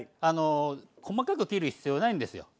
細かく切る必要ないんですよ。